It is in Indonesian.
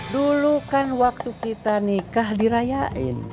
dulu kan waktu kita nikah dirayain